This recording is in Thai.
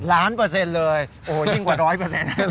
เปอร์เซ็นต์เลยโอ้โหยิ่งกว่าร้อยเปอร์เซ็นต์